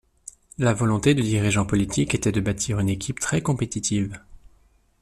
La volonté de dirigeants politiques était de bâtir une équipe très compétitive.